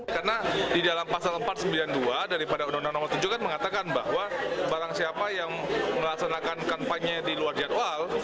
karena di dalam pasal empat ratus sembilan puluh dua daripada undang undang no tujuh kan mengatakan bahwa barang siapa yang melaksanakan kampanye di luar jadwal